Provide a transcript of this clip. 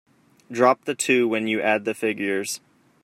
Drop the two when you add the figures.